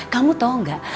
kamu tahu gak